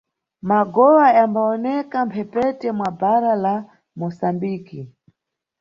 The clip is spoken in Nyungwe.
Magowa yambawoneka mʼmphepete mwa bhara la Mosambiki.